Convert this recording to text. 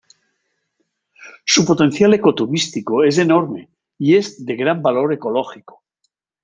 Su potencial ecoturístico es enorme, y es de gran valor ecológico.